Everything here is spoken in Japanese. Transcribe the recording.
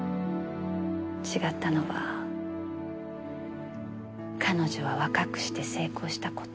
違ったのは彼女は若くして成功した事。